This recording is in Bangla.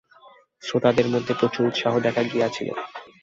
শ্রোতাদের মধ্যে প্রচুর উৎসাহ দেখা গিয়াছিল।